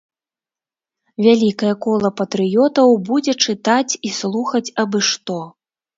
Вялікае кола патрыётаў будзе чытаць і слухаць абы што.